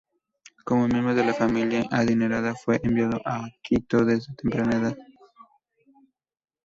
Como miembro de una familia adinerada, fue enviado a Quito desde temprana edad.